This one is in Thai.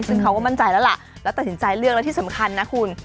ซึ่งเขาก็มั่นใจแล้วล่ะแล้วตัดสินใจเลือกแล้วที่สำคัญนะคุณ